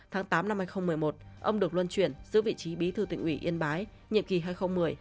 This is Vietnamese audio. tháng tám hai nghìn một mươi một ông được luân chuyển giữ vị trí bí thư tỉnh ủy yên bái nhiệm kỳ hai nghìn một mươi hai nghìn một mươi năm